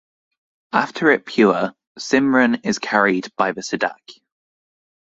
After it pure Simran is carried by the sadhak.